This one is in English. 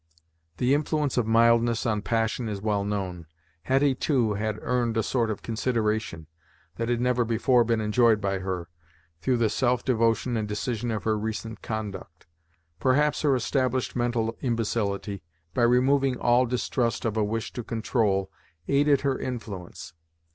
The influence of mildness on passion is well known. Hetty, too, had earned a sort of consideration, that had never before been enjoyed by her, through the self devotion and decision of her recent conduct. Perhaps her established mental imbecility, by removing all distrust of a wish to control, aided her influence.